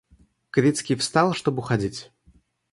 Крицкий встал, чтоб уходить.